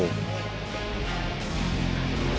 นี่